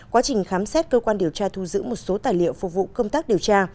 quá trình khám xét cơ quan điều tra thu giữ một số tài liệu phục vụ công tác điều tra